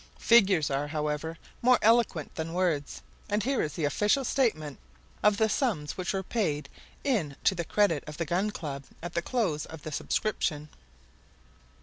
Figures are, however, more eloquent than words, and here is the official statement of the sums which were paid in to the credit of the Gun Club at the close of the subscription.